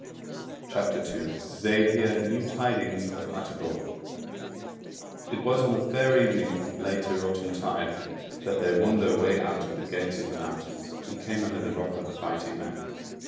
CHAPTER 2 They Hear New Tidings of Utterbol It was on a fair evening of later autumn tide that they won their way out of the Gates of the Mountains, and came under the rock of the Fighting Man.